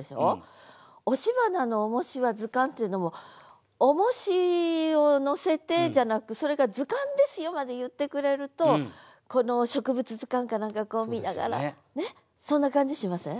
「押し花の重しは図鑑」っていうのも「重しを載せて」じゃなく「それが図鑑ですよ」まで言ってくれるとこの植物図鑑か何かこう見ながらそんな感じしません？